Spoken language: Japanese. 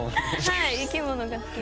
はい生き物が好きで。